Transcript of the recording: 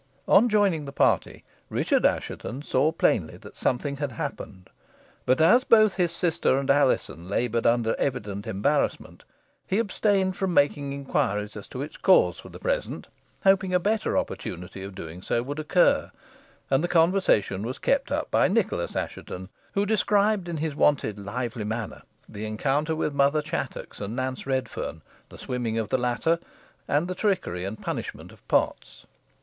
On joining the party, Richard Assheton saw plainly that something had happened; but as both his sister and Alizon laboured under evident embarrassment, he abstained from making inquiries as to its cause for the present, hoping a better opportunity of doing so would occur, and the conversation was kept up by Nicholas Assheton, who described, in his wonted lively manner, the encounter with Mother Chattox and Nance Redferne, the swimming of the latter, and the trickery and punishment of Potts.